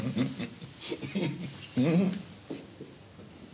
うん？